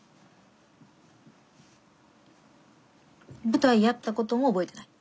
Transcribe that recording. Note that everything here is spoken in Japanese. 舞台やった事も覚えてない？